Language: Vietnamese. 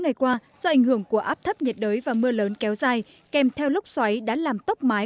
ngày qua do ảnh hưởng của áp thấp nhiệt đới và mưa lớn kéo dài kèm theo lúc xoáy đã làm tốc mái